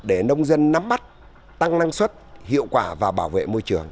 để nông dân nắm bắt tăng năng suất hiệu quả và bảo vệ môi trường